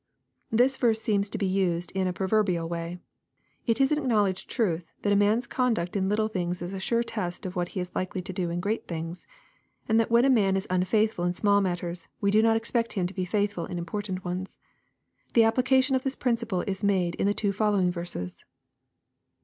] This verse seems to be used in a prover bial way. It is a|i acknowledged truth, that a man's conduct in little things is a sure test of what he is likely to do in great things, and that when. a man is unfaithful in small matters, we do. not ex pect him to be faithful in important ones. The application of this principle is made in the two following verses.